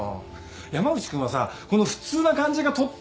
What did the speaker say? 山内君はさこの普通な感じがとってもいいんだよね。